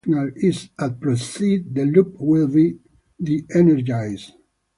If the signal is at "proceed", the loops will de-energise.